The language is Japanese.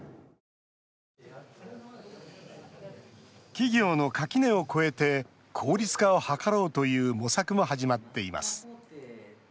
企業の垣根を越えて効率化を図ろうという模索も始まっています。